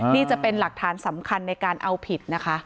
นี่จะเป็นหลักฐานสำคัญในการเอาผิดนะคะ